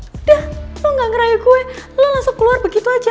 udah lo gak ngeraya gue lo langsung keluar begitu aja